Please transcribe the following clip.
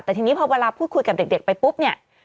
แต่ทีนี้พอเวลาพูดคุยกับเด็กไปปุ๊บเนี่ย